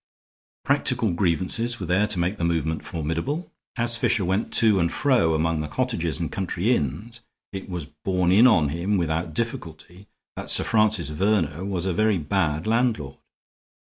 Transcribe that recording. Practical grievances were there to make the movement formidable. As Fisher went to and fro among the cottages and country inns, it was borne in on him without difficulty that Sir Francis Verner was a very bad landlord.